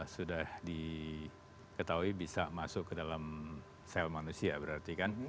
sudah diketahui bisa masuk ke dalam sel manusia berarti kan